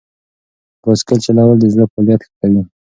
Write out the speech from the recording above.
بایسکل چلول د زړه فعالیت ښه کوي.